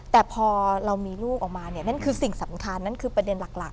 แต่พอเรามีลูกออกมาเนี่ยนั่นคือสิ่งสำคัญนั่นคือประเด็นหลัก